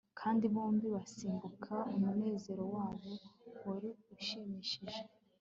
kandi bombi basimbuka, umunezero wabo wari ushimishije